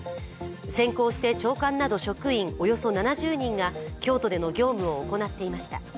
先行して長官など職員およそ７０人が京都での業務を行っていました。